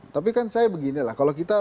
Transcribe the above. tapi kan saya begini lah kalau kita